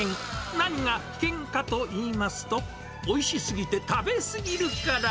何が危険かといいますと、おいしすぎて食べ過ぎるから。